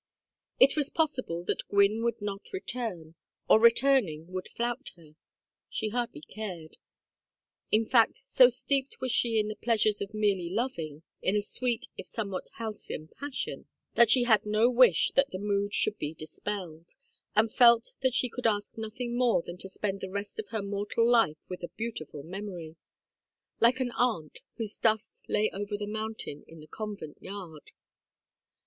It was possible that Gwynne would not return, or returning, would flout her; she hardly cared. In fact so steeped was she in the pleasures of merely loving, in a sweet if somewhat halcyon passion, that she had no wish that the mood should be dispelled; and felt that she could ask nothing more than to spend the rest of her mortal life with a beautiful memory like the aunt whose dust lay over the mountain in the convent yard.